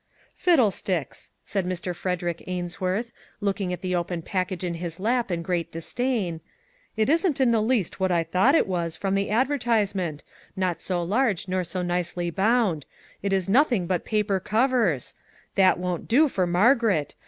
" Fiddlesticks !" said Mr. Frederick Ains worth, looking at the open package in his lap in great disdain, " it isn't in the least what I thought it was, from the advertisement; not so large nor so nicely bound; it is nothing but paper covers. That won't do for Margaret.